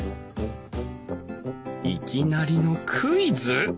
いきなりのクイズ！？